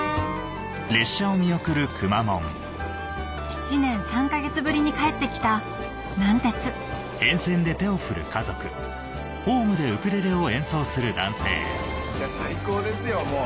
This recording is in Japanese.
・７年３か月ぶりに帰ってきた南鉄最高ですよもう。